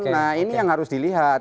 nah ini yang harus dilihat